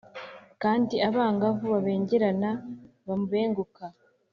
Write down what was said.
Kandi abangavu babengerana bamubenguka